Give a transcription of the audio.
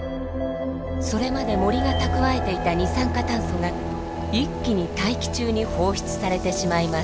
それまで森が蓄えていた二酸化炭素が一気に大気中に放出されてしまいます。